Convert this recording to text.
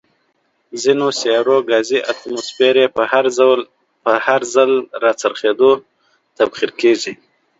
ځینو سیارو ګازي اتموسفیر یې په هر ځل راڅرخېدو، تبخیر کیږي.